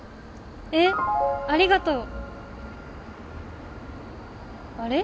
えっありがとう。あれ？